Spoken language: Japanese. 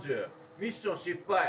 ミッション失敗。